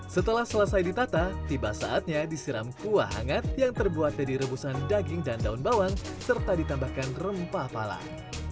setelah selesai ditata tiba saatnya disiram kuah hangat yang terbuat dari rebusan daging dan daun bawang serta ditambahkan rempah palang